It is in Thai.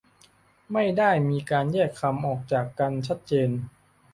ไม่ได้มีการแยกคำออกจากกันชัดเจน